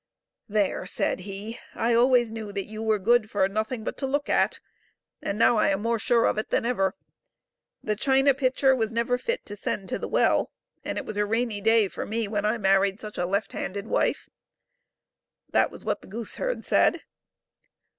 " There !*' said he, " I always knew that you were good for nothing but to look at, and now I am more sure of it than ever. The china pitch( r was never fit to send to the well, and it was a rainy day for me when I married such a left handed wife ;" that was what the gooseherd said.